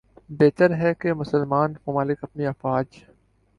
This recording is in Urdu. بہتر ہے کہ مسلمان ممالک اپنی افواج